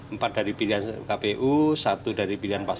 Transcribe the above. empat dari pilihan kpu satu dari pilihan paslon satu satu dari pilihan paslon dua